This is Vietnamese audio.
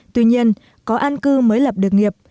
tuy nhiên có an cư mới lập được nghiệp